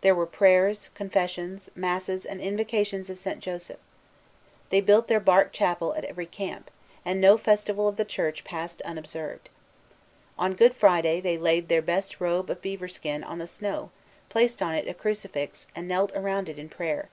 There were prayers, confessions, masses, and invocations of St. Joseph. They built their bark chapel at every camp, and no festival of the Church passed unobserved. On Good Friday they laid their best robe of beaver skin on the snow, placed on it a crucifix, and knelt around it in prayer.